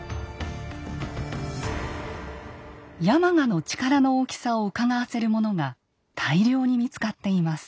山鹿の力の大きさをうかがわせるものが大量に見つかっています。